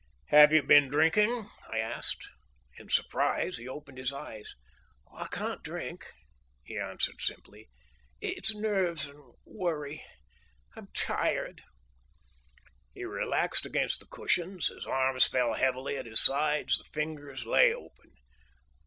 "Have you been drinking?" I asked. In surprise he opened his eyes. "I can't drink," he answered simply. "It's nerves and worry. I'm tired." He relaxed against the cushions; his arms fell heavily at his sides; the fingers lay open.